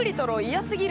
嫌すぎる。